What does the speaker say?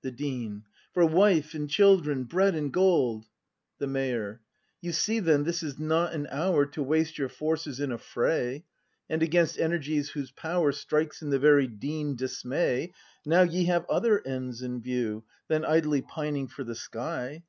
The Dean. For wife and children, bread and gold! ACT V] BRAND 277 The Mayor. You see, then, this is not an hour To waste your forces in a fray, And against energies whose power Strikes in the very Dean dismay. Now ye have other ends in view Than idly pining for the sky.